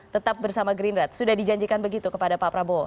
tetap bersama gerindra sudah dijanjikan begitu kepada pak prabowo